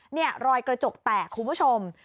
นี่รอยกระจกแตกคุณผู้ชม